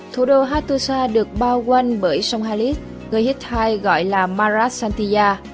thủ đô hattusa được bao quanh bởi sông halit người hittite gọi là mara santia